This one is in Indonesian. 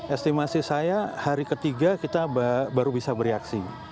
estimasi saya hari ketiga kita baru bisa bereaksi